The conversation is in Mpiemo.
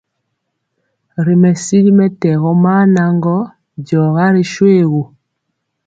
Ri mesili mɛtɛgɔ maa naŋgɔ, diɔga ri shoégu.